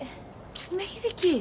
梅響。